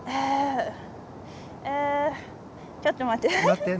ちょっと待って。